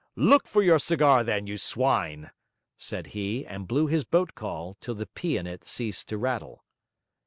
'Look for your cigar then, you swine!' said he, and blew his boat call till the pea in it ceased to rattle.